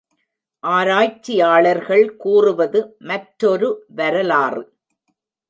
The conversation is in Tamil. ஆராய்ச்சியாளர்கள் கூறுவது மற்றொரு வரலாறு.